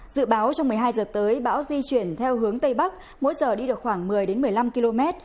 dự báo trong một mươi hai giờ tới bão di chuyển theo hướng tây bắc mỗi giờ đi được khoảng một mươi một mươi năm km